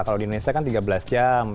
kalau di indonesia kan tiga belas jam